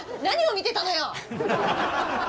何を見てたのよ！